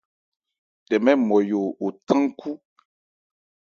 Tɛmɛ Nmɔyo othán nkhú.